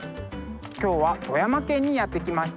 今日は富山県にやって来ました。